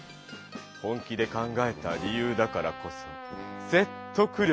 本気で考えた理由だからこそ説得力がちがう。